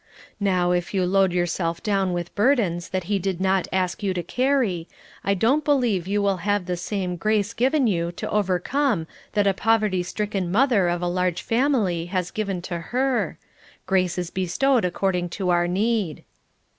Now if you load yourself down with burdens that He did not ask you to carry, I don't believe you will have the same grace given you to overcome that a poverty stricken mother of a large family has given to her; grace is bestowed according to our need."